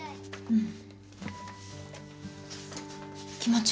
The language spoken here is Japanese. うん。